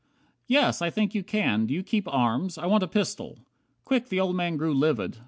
"Yes, I think you can. Do you keep arms? I want a pistol." Quick the old man grew Livid.